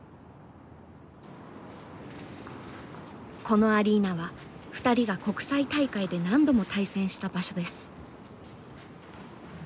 このアリーナは２人が国際大会で何度も対戦した場所です。